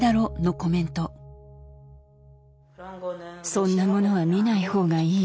そんなものは見ない方がいい。